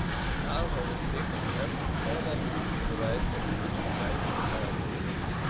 Daarom hebben we de plicht om hen allemaal beroepsonderwijs en beroepsopleidingen te garanderen.